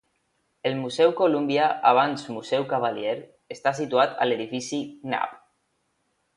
El Museu Columbia, abans Museu Cavalier, està situat a l'edifici Knapp.